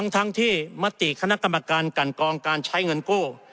ทั้งที่มติคณะกรรมการกันกองการใช้เงินกู้